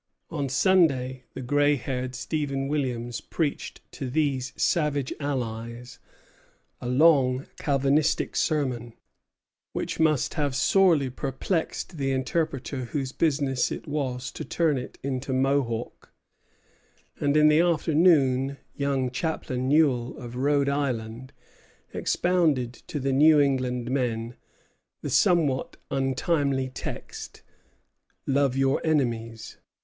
On Sunday the gray haired Stephen Williams preached to these savage allies a long Calvinistic sermon, which must have sorely perplexed the interpreter whose business it was to turn it into Mohawk; and in the afternoon young Chaplain Newell, of Rhode Island, expounded to the New England men the somewhat untimely text, "Love your enemies."